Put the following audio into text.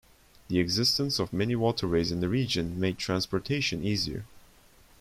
The existence of many waterways in the region made transportation easier.